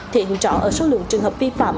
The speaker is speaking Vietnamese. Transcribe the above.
thị trọ ở số lượng trường hợp vi phạm